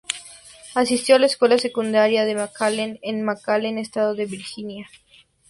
Asistió a la escuela secundaria de McLean, en McLean, estado de Virginia.